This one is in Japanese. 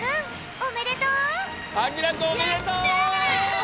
おめでとう！